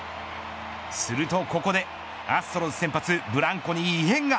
するとここでアストロズ先発ブランコに異変が。